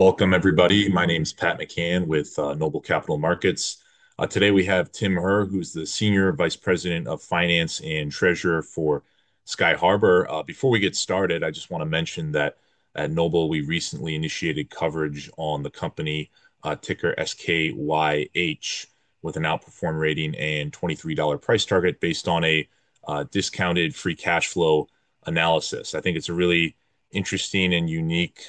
Welcome, everybody. My name's Pat McKean with Noble Capital Markets. Today we have Tim Herr, who's the Senior Vice President of Finance and Treasurer for Sky Harbour. Before we get started, I just want to mention that at Noble, we recently initiated coverage on the company ticker SKYH, with an outperform rating and $23 price target based on a discounted free cash flow analysis. I think it's a really interesting and unique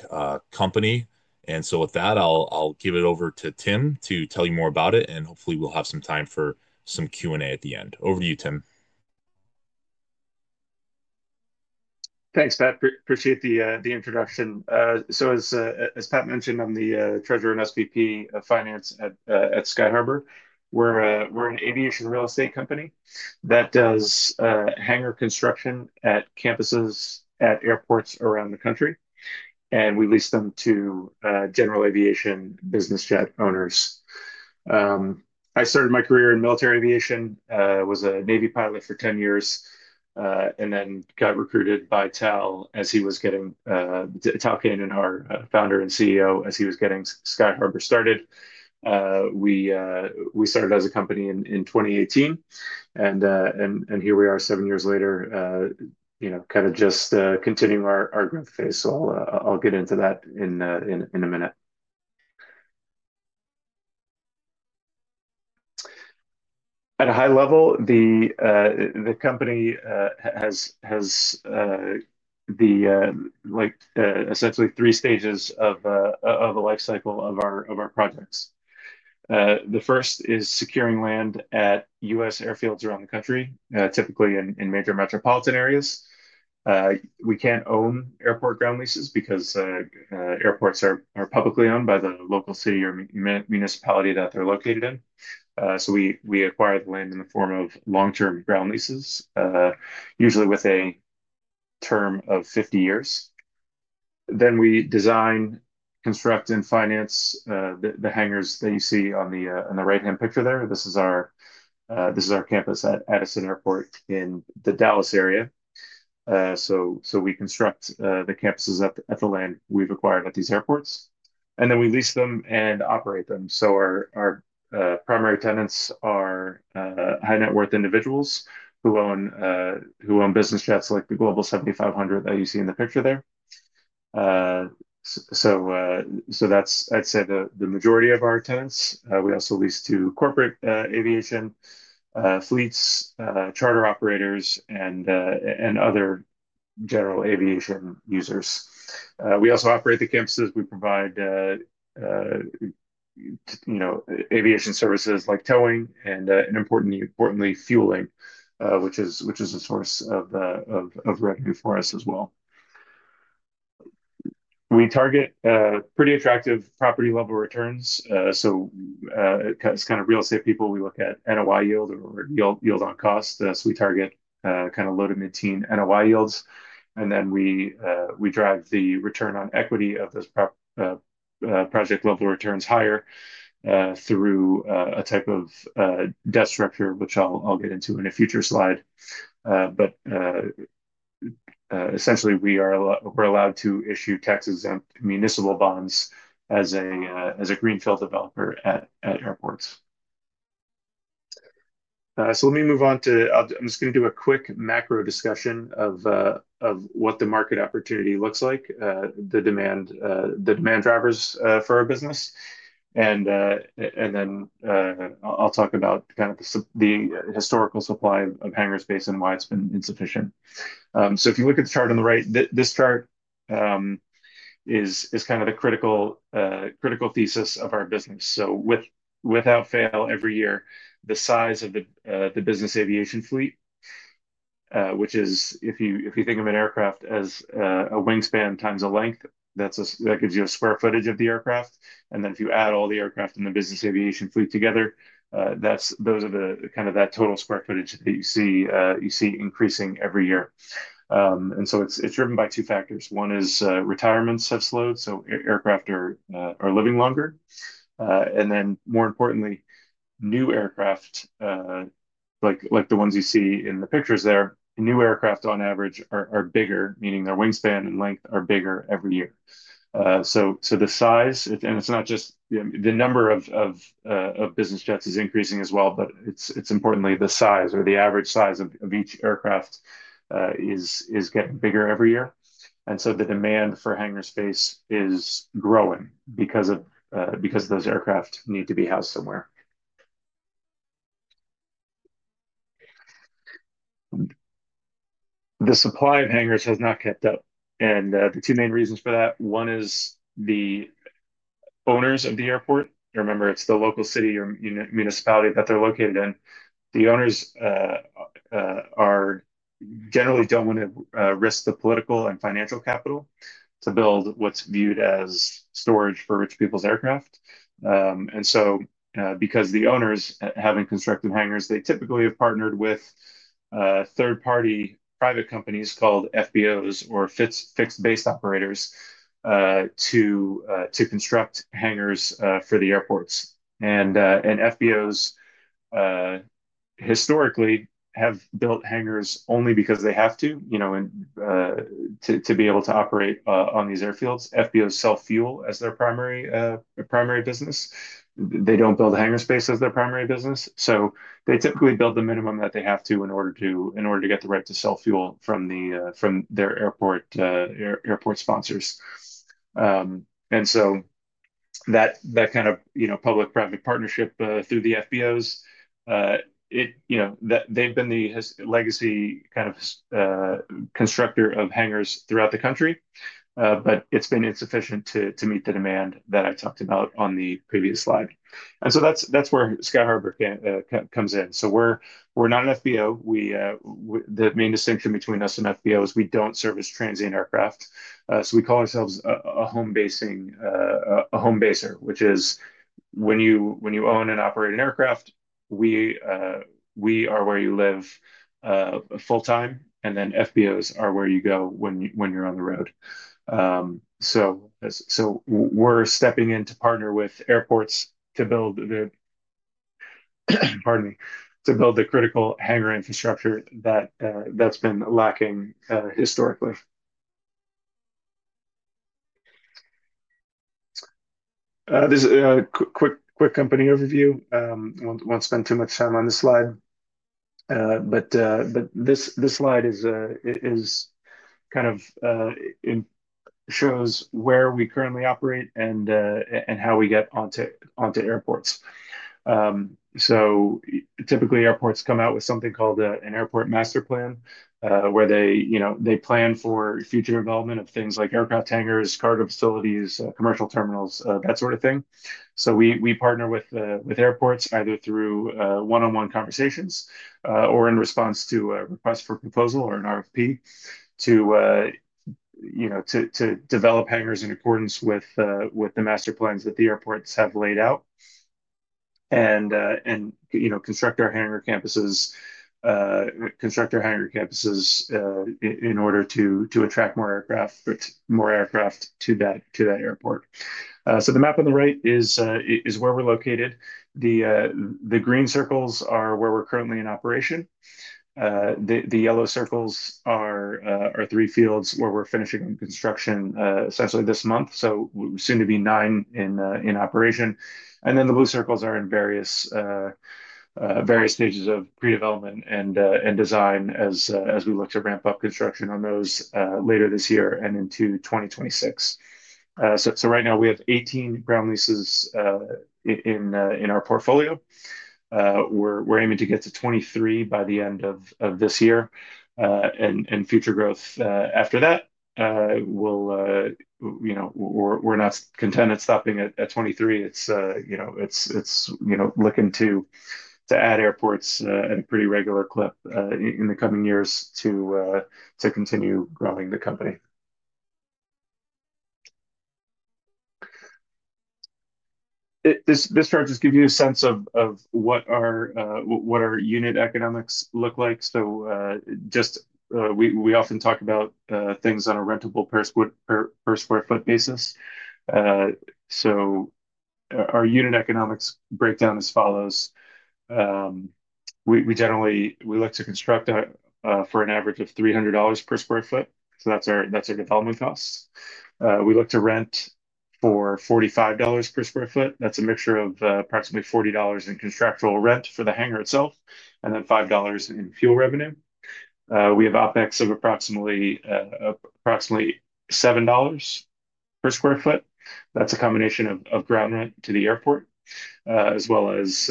company. And so with that, I'll give it over to Tim to tell you more about it, and hopefully we'll have some time for some Q&A at the end. Over to you, Tim. Thanks, Pat. Appreciate the introduction. As Pat mentioned, I'm the Treasurer and SVP of Finance at Sky Harbour. We're an aviation real estate company that does hangar construction at campuses at airports around the country, and we lease them to general aviation business jet owners. I started my career in military aviation, was a Navy pilot for 10 years, and then got recruited by Tal as he was getting Tal Keinan, our founder and CEO, as he was getting Sky Harbour started. We started as a company in 2018, and here we are seven years later, kind of just continuing our growth phase. I'll get into that in a minute. At a high level, the company has essentially three stages of the life cycle of our projects. The first is securing land at U.S. airfields around the country, typically in major metropolitan areas. We can't own airport ground leases because airports are publicly owned by the local city or municipality that they're located in. We acquire the land in the form of long-term ground leases, usually with a term of 50 years. We design, construct, and finance the hangars that you see on the right-hand picture there. This is our campus at Addison Airport in the Dallas area. We construct the campuses at the land we've acquired at these airports, and we lease them and operate them. Our primary tenants are high-net-worth individuals who own business jets like the Global 7500 that you see in the picture there. That's, I'd say, the majority of our tenants. We also lease to corporate aviation fleets, charter operators, and other general aviation users. We also operate the campuses. We provide aviation services like towing and, importantly, fueling, which is a source of revenue for us as well. We target pretty attractive property-level returns. It's kind of real estate people. We look at NOI yield or yield on cost. We target kind of low to mid-teen NOI yields. We drive the return on equity of those project-level returns higher through a type of debt structure, which I'll get into in a future slide. Essentially, we are allowed to issue tax-exempt municipal bonds as a greenfield developer at airports. Let me move on to, I'm just going to do a quick macro discussion of what the market opportunity looks like, the demand drivers for our business. Then I'll talk about kind of the historical supply of hangar space and why it's been insufficient. If you look at the chart on the right, this chart is kind of the critical thesis of our business. Without fail, every year, the size of the business aviation fleet, which is, if you think of an aircraft as a wingspan times a length, that gives you a square footage of the aircraft. If you add all the aircraft in the business aviation fleet together, those are kind of that total square footage that you see increasing every year. It is driven by two factors. One is retirements have slowed, so aircraft are living longer. More importantly, new aircraft, like the ones you see in the pictures there, new aircraft on average are bigger, meaning their wingspan and length are bigger every year. The size, and it's not just the number of business jets is increasing as well, but it's importantly the size or the average size of each aircraft is getting bigger every year. The demand for hangar space is growing because those aircraft need to be housed somewhere. The supply of hangars has not kept up. The two main reasons for that, one is the owners of the airport. Remember, it's the local city or municipality that they're located in. The owners generally don't want to risk the political and financial capital to build what's viewed as storage for rich people's aircraft. Because the owners, having constructed hangars, they typically have partnered with third-party private companies called FBOs or fixed-base operators to construct hangars for the airports. FBOs historically have built hangars only because they have to to be able to operate on these airfields. FBOs sell fuel as their primary business. They do not build hangar space as their primary business. They typically build the minimum that they have to in order to get the right to sell fuel from their airport sponsors. That kind of public-private partnership through the FBOs, they have been the legacy kind of constructor of hangars throughout the country, but it has been insufficient to meet the demand that I talked about on the previous slide. That is where Sky Harbour comes in. We are not an FBO. The main distinction between us and FBO is we do not service transient aircraft. We call ourselves a home basing, a home baser, which is when you own and operate an aircraft, we are where you live full-time, and then FBOs are where you go when you're on the road. We are stepping in to partner with airports to build the, pardon me, to build the critical hangar infrastructure that's been lacking historically. This is a quick company overview. I won't spend too much time on this slide. This slide kind of shows where we currently operate and how we get onto airports. Typically, airports come out with something called an airport master plan where they plan for future involvement of things like aircraft hangars, cargo facilities, commercial terminals, that sort of thing. We partner with airports either through one-on-one conversations or in response to a request for proposal or an RFP to develop hangars in accordance with the master plans that the airports have laid out and construct our hangar campuses in order to attract more aircraft to that airport. The map on the right is where we're located. The green circles are where we're currently in operation. The yellow circles are three fields where we're finishing construction essentially this month. We're soon to be nine in operation. The blue circles are in various stages of pre-development and design as we look to ramp up construction on those later this year and into 2026. Right now, we have 18 ground leases in our portfolio. We're aiming to get to 23 by the end of this year. Future growth after that, we're not content at stopping at 23. It's looking to add airports at a pretty regular clip in the coming years to continue growing the company. This chart just gives you a sense of what our unit economics look like. We often talk about things on a rentable per sq ft basis. Our unit economics breakdown as follows. We look to construct for an average of $300 per sq ft. That's our development costs. We look to rent for $45 per sq ft. That's a mixture of approximately $40 in contractual rent for the hangar itself and then $5 in fuel revenue. We have OpEx of approximately $7 per sq ft. That's a combination of ground rent to the airport as well as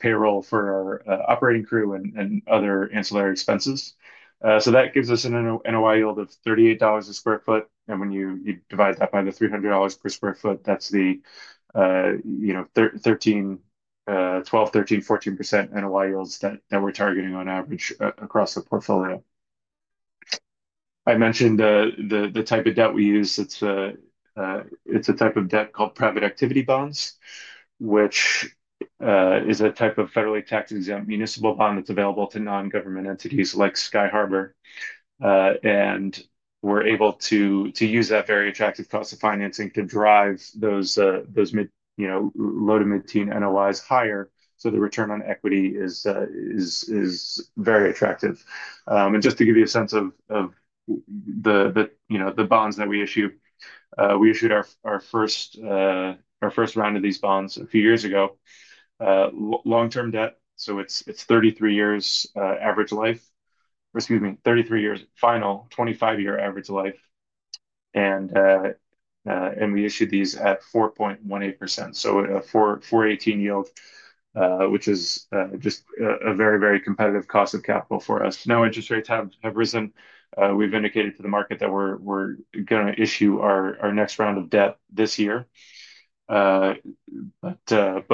payroll for our operating crew and other ancillary expenses. That gives us an NOI yield of $38 a sq ft. When you divide that by the $300 per sq ft, that's the 12-14% NOI yields that we're targeting on average across the portfolio. I mentioned the type of debt we use. It's a type of debt called private activity bonds, which is a type of federally tax-exempt municipal bond that's available to non-government entities like Sky Harbour. We're able to use that very attractive cost of financing to drive those low to mid-teen NOIs higher. The return on equity is very attractive. Just to give you a sense of the bonds that we issue, we issued our first round of these bonds a few years ago. Long-term debt. It's 33 years final, 25-year average life. We issued these at 4.18%. A 4.18% yield, which is just a very, very competitive cost of capital for us. Now, interest rates have risen. We've indicated to the market that we're going to issue our next round of debt this year.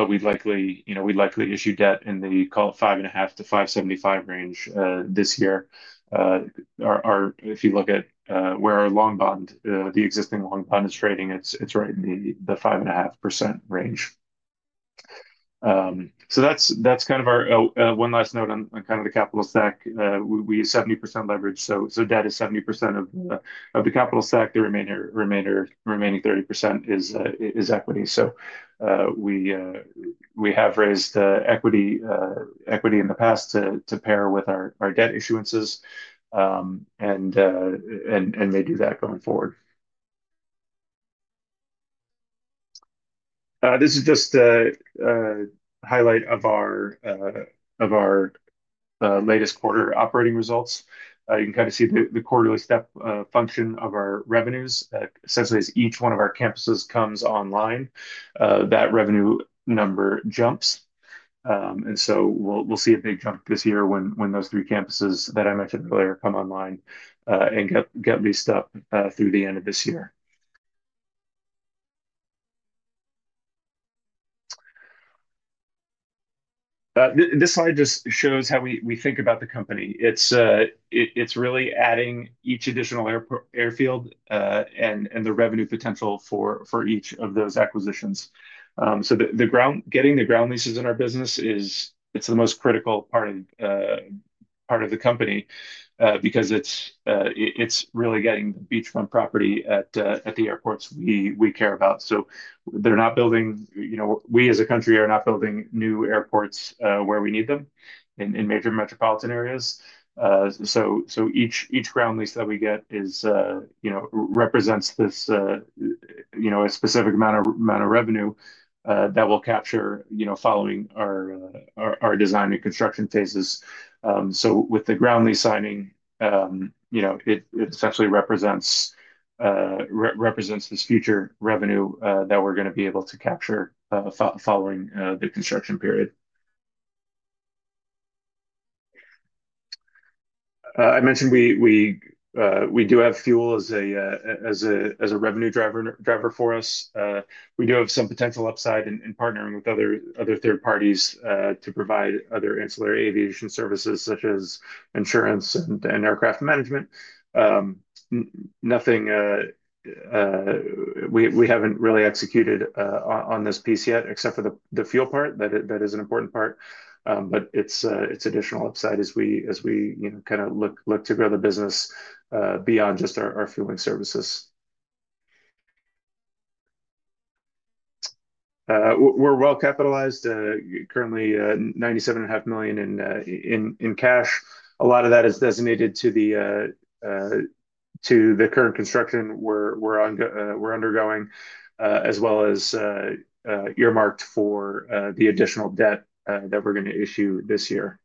We'd likely issue debt in the, call it, 5.5%-5.75% range this year. If you look at where our long bond, the existing long bond, is trading, it's right in the 5.5% range. That's kind of our one last note on the capital stack. We use 70% leverage, so debt is 70% of the capital stack. The remaining 30% is equity. We have raised equity in the past to pair with our debt issuances, and they do that going forward. This is just a highlight of our latest quarter operating results. You can kind of see the quarterly step function of our revenues. Essentially, as each one of our campuses comes online, that revenue number jumps. We'll see a big jump this year when those three campuses that I mentioned earlier come online and get leased up through the end of this year. This slide just shows how we think about the company. It's really adding each additional airfield and the revenue potential for each of those acquisitions. Getting the ground leases in our business is the most critical part of the company because it's really getting the beachfront property at the airports we care about. We as a country are not building new airports where we need them in major metropolitan areas. Each ground lease that we get represents a specific amount of revenue that we'll capture following our design and construction phases. With the ground lease signing, it essentially represents this future revenue that we're going to be able to capture following the construction period. I mentioned we do have fuel as a revenue driver for us. We do have some potential upside in partnering with other third parties to provide other ancillary aviation services such as insurance and aircraft management. We haven't really executed on this piece yet, except for the fuel part. That is an important part. It is additional upside as we kind of look to grow the business beyond just our fueling services. We're well capitalized, currently $97.5 million in cash. A lot of that is designated to the current construction we're undergoing, as well as earmarked for the additional debt that we're going to issue this year.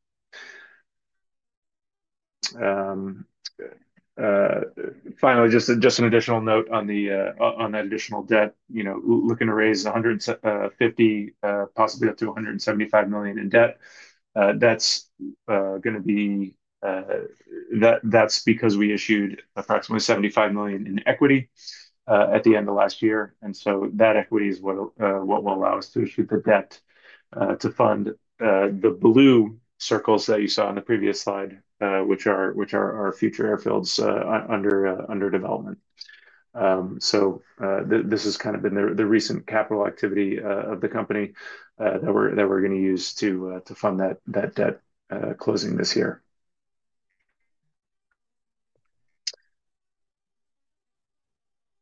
Finally, just an additional note on that additional debt, looking to raise $150 million, possibly up to $175 million in debt. That's going to be, that's because we issued approximately $75 million in equity at the end of last year. And so that equity is what will allow us to issue the debt to fund the blue circles that you saw on the previous slide, which are our future airfields under development. This has kind of been the recent capital activity of the company that we're going to use to fund that debt closing this year.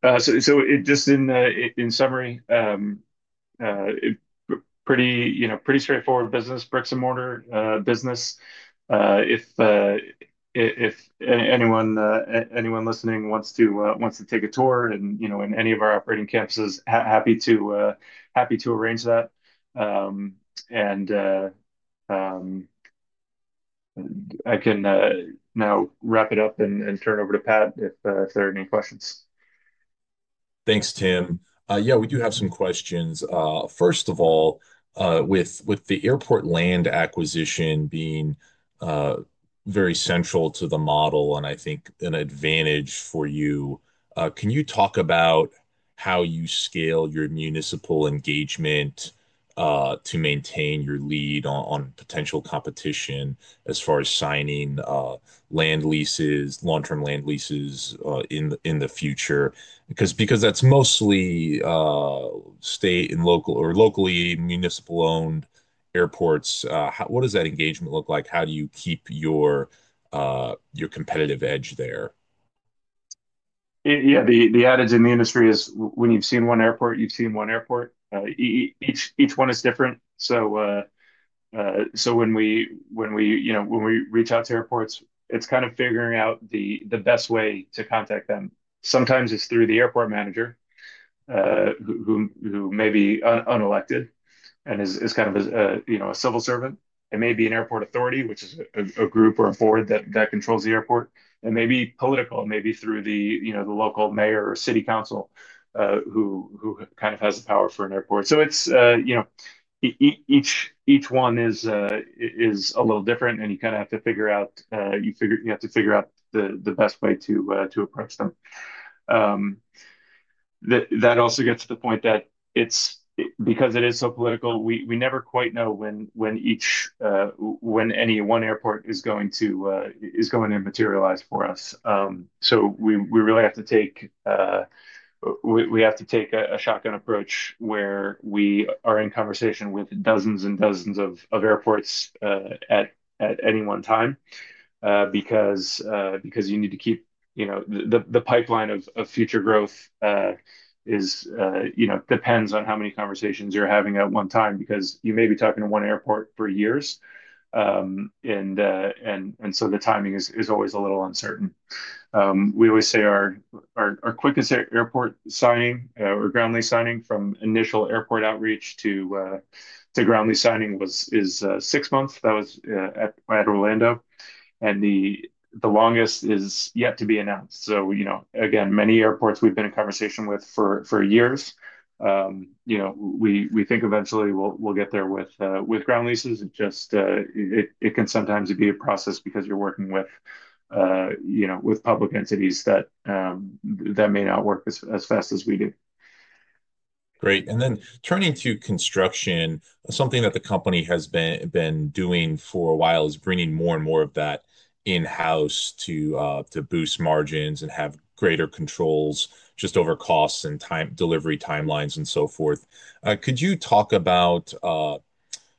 Just in summary, pretty straightforward business, bricks and mortar business. If anyone listening wants to take a tour in any of our operating campuses, happy to arrange that. I can now wrap it up and turn it over to Pat if there are any questions. Thanks, Tim. Yeah, we do have some questions. First of all, with the airport land acquisition being very central to the model and I think an advantage for you, can you talk about how you scale your municipal engagement to maintain your lead on potential competition as far as signing long-term land leases in the future? Because that's mostly state and locally municipal-owned airports. What does that engagement look like? How do you keep your competitive edge there? Yeah, the adage in the industry is, when you've seen one airport, you've seen one airport. Each one is different. When we reach out to airports, it's kind of figuring out the best way to contact them. Sometimes it's through the airport manager who may be unelected and is kind of a civil servant. It may be an airport authority, which is a group or a board that controls the airport. It may be political. It may be through the local mayor or city council who kind of has the power for an airport. Each one is a little different, and you kind of have to figure out the best way to approach them. That also gets to the point that because it is so political, we never quite know when any one airport is going to materialize for us. We really have to take a shotgun approach where we are in conversation with dozens and dozens of airports at any one time because you need to keep the pipeline of future growth depends on how many conversations you're having at one time because you may be talking to one airport for years. The timing is always a little uncertain. We always say our quickest airport signing or ground lease signing from initial airport outreach to ground lease signing is six months. That was at Orlando. The longest is yet to be announced. Many airports we've been in conversation with for years. We think eventually we'll get there with ground leases. It can sometimes be a process because you're working with public entities that may not work as fast as we do. Great. Turning to construction, something that the company has been doing for a while is bringing more and more of that in-house to boost margins and have greater controls just over costs and delivery timelines and so forth. Could you talk about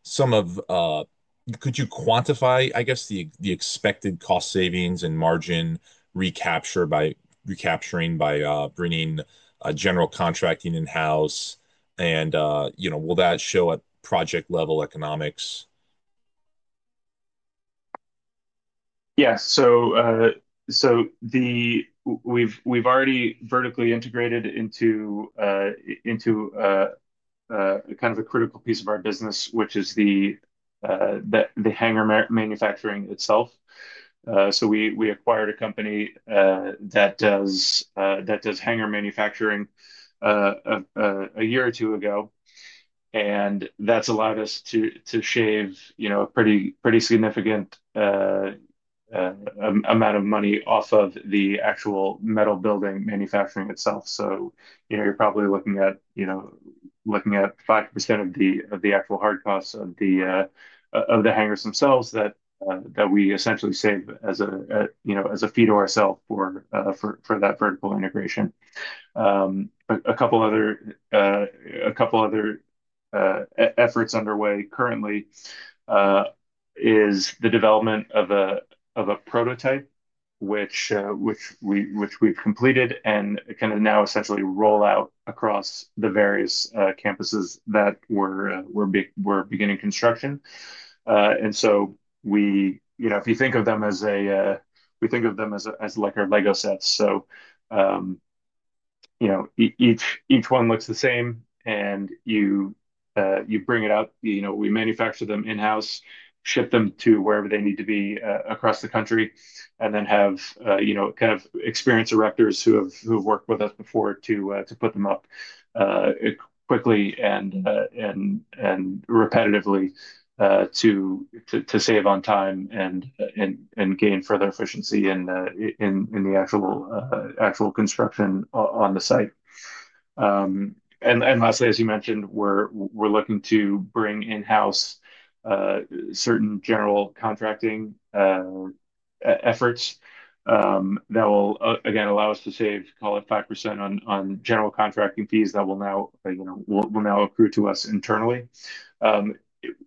some of, could you quantify, I guess, the expected cost savings and margin recapturing by bringing general contracting in-house? Will that show at project-level economics? Yeah. So we've already vertically integrated into kind of a critical piece of our business, which is the hangar manufacturing itself. We acquired a company that does hangar manufacturing a year or two ago. That's allowed us to shave a pretty significant amount of money off of the actual metal building manufacturing itself. You're probably looking at 5% of the actual hard costs of the hangars themselves that we essentially save as a fee to ourselves for that vertical integration. A couple of other efforts underway currently is the development of a prototype, which we've completed and can now essentially roll out across the various campuses that we're beginning construction. If you think of them as a, we think of them as like our Lego sets. Each one looks the same, and you bring it up. We manufacture them in-house, ship them to wherever they need to be across the country, and then have kind of experienced directors who have worked with us before to put them up quickly and repetitively to save on time and gain further efficiency in the actual construction on the site. Lastly, as you mentioned, we're looking to bring in-house certain general contracting efforts that will, again, allow us to save, call it 5% on general contracting fees that will now accrue to us internally.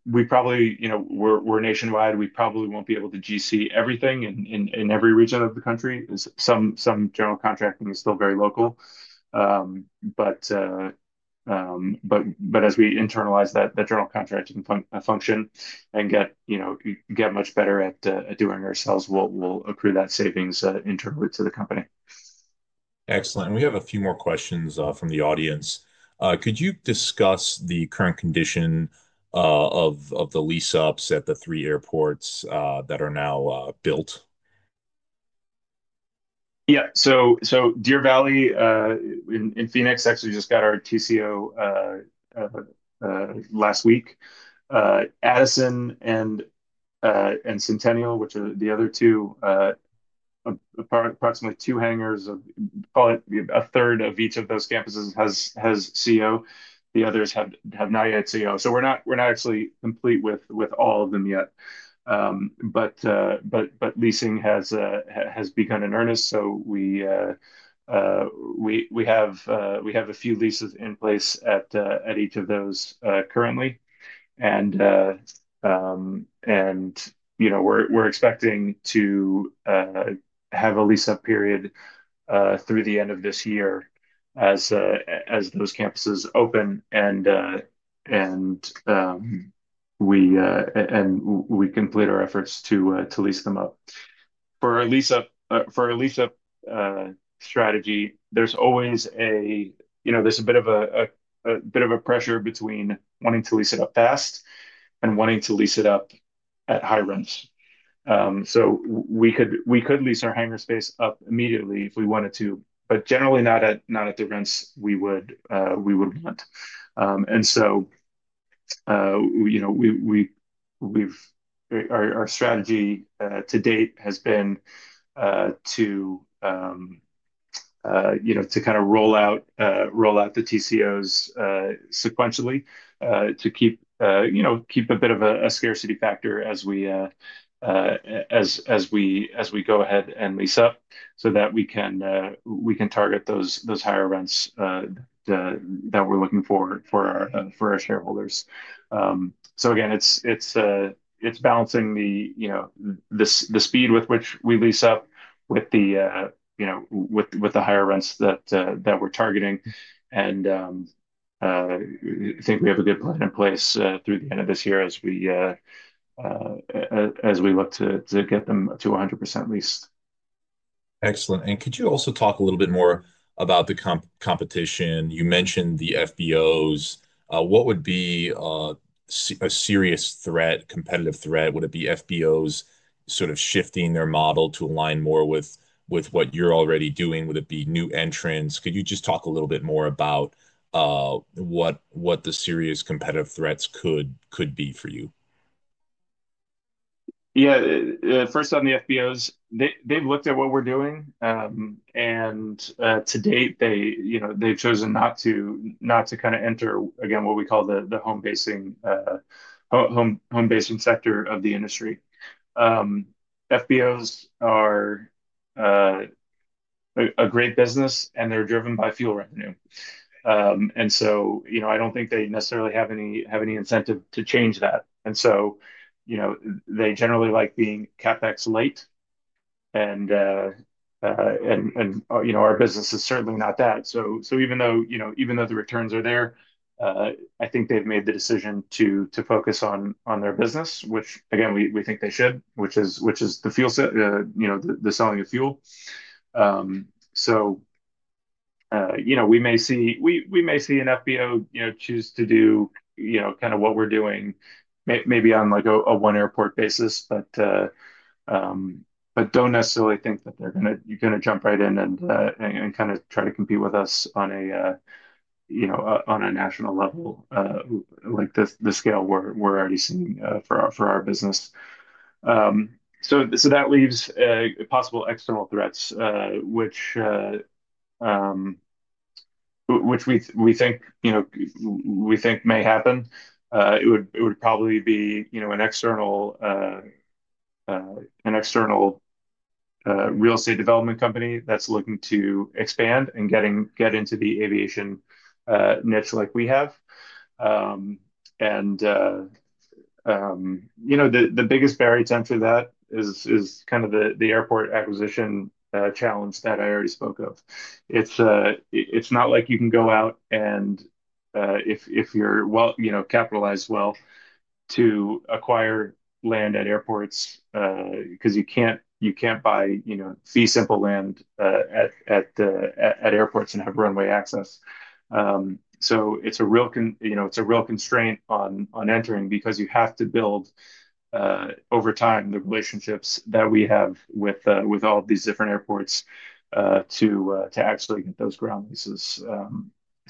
We're nationwide. We probably won't be able to GC everything in every region of the country. Some general contracting is still very local. As we internalize that general contracting function and get much better at doing it ourselves, we'll accrue that savings internally to the company. Excellent. We have a few more questions from the audience. Could you discuss the current condition of the lease-ups at the three airports that are now built? Yeah. Deer Valley in Phoenix actually just got our TCO last week. Addison and Centennial, which are the other two, approximately two hangars, call it a third of each of those campuses, has CO. The others have not yet CO. We're not actually complete with all of them yet. Leasing has begun in earnest. We have a few leases in place at each of those currently. We're expecting to have a lease-up period through the end of this year as those campuses open and we complete our efforts to lease them up. For our lease-up strategy, there's always a bit of a pressure between wanting to lease it up fast and wanting to lease it up at high rents. We could lease our hangar space up immediately if we wanted to, but generally not at the rents we would want. Our strategy to date has been to kind of roll out the TCOs sequentially to keep a bit of a scarcity factor as we go ahead and lease up so that we can target those higher rents that we're looking for for our shareholders. Again, it's balancing the speed with which we lease up with the higher rents that we're targeting. I think we have a good plan in place through the end of this year as we look to get them to 100% leased. Excellent. Could you also talk a little bit more about the competition? You mentioned the FBOs. What would be a serious threat, competitive threat? Would it be FBOs sort of shifting their model to align more with what you're already doing? Would it be new entrants? Could you just talk a little bit more about what the serious competitive threats could be for you? Yeah. First off, the FBOs, they've looked at what we're doing. To date, they've chosen not to kind of enter, again, what we call the home-basing sector of the industry. FBOs are a great business, and they're driven by fuel revenue. I don't think they necessarily have any incentive to change that. They generally like being CapEx-light. Our business is certainly not that. Even though the returns are there, I think they've made the decision to focus on their business, which, again, we think they should, which is the selling of fuel. We may see an FBO choose to do kind of what we're doing maybe on a one airport basis, but do not necessarily think that they're going to jump right in and kind of try to compete with us on a national level like the scale we're already seeing for our business. That leaves possible external threats, which we think may happen. It would probably be an external real estate development company that's looking to expand and get into the aviation niche like we have. The biggest barrier to enter that is kind of the airport acquisition challenge that I already spoke of. It's not like you can go out and, if you're capitalized well, acquire land at airports because you can't buy fee-simple land at airports and have runway access. It's a real constraint on entering because you have to build over time the relationships that we have with all of these different airports to actually get those ground leases.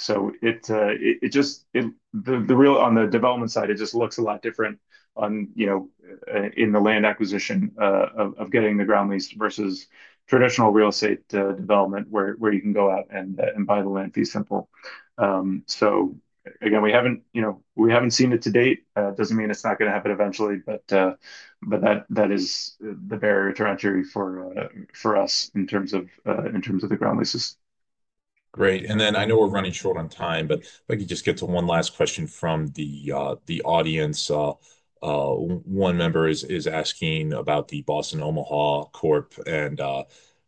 On the development side, it just looks a lot different in the land acquisition of getting the ground lease versus traditional real estate development where you can go out and buy the land fee simple. Again, we haven't seen it to date. It doesn't mean it's not going to happen eventually, but that is the barrier to entry for us in terms of the ground leases. Great. I know we're running short on time, but if I could just get to one last question from the audience. One member is asking about Boston Omaha Corp and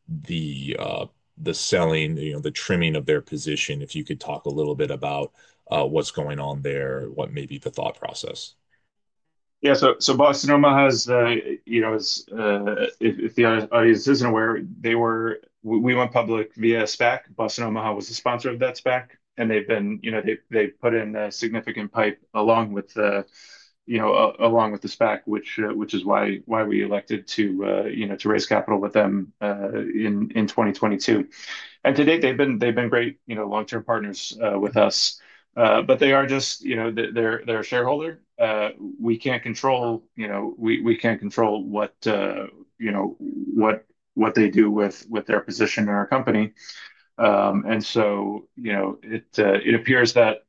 the selling, the trimming of their position. If you could talk a little bit about what's going on there, what may be the thought process. Yeah. Boston Omaha has, if the audience isn't aware, we went public via SPAC. Boston Omaha was the sponsor of that SPAC. They've put in a significant pipe along with the SPAC, which is why we elected to raise capital with them in 2022. To date, they've been great long-term partners with us. They are just their shareholder. We can't control what they do with their position in our company. It appears that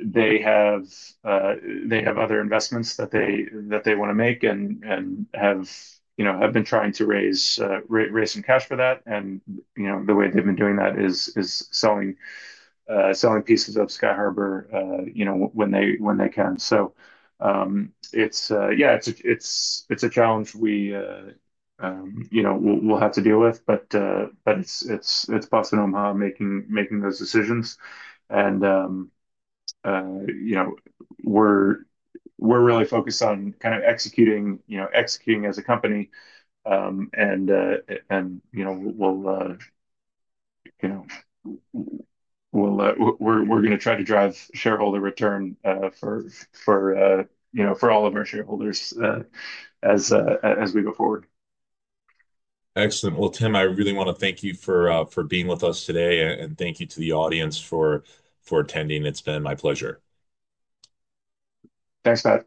they have other investments that they want to make and have been trying to raise some cash for that. The way they've been doing that is selling pieces of Sky Harbour when they can. Yeah, it's a challenge we'll have to deal with. It's Boston Omaha making those decisions. We're really focused on kind of executing as a company. We are going to try to drive shareholder return for all of our shareholders as we go forward. Excellent. Tim, I really want to thank you for being with us today. Thank you to the audience for attending. It's been my pleasure. Thanks a lot.